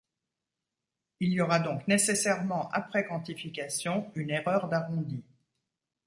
Il y aura donc nécessairement, après quantification, une erreur d'arrondi.